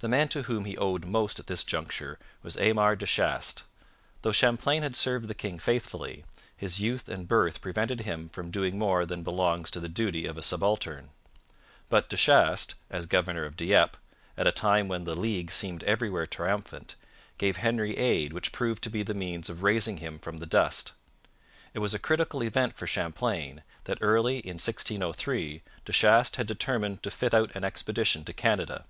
The man to whom he owed most at this juncture was Aymar de Chastes. Though Champlain had served the king faithfully, his youth and birth prevented him from doing more than belongs to the duty of a subaltern. But De Chastes, as governor of Dieppe, at a time when the League seemed everywhere triumphant, gave Henry aid which proved to be the means of raising him from the dust. It was a critical event for Champlain that early in 1603 De Chastes had determined to fit out an expedition to Canada.